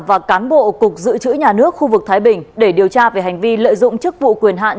và cán bộ cục dự trữ nhà nước khu vực thái bình để điều tra về hành vi lợi dụng chức vụ quyền hạn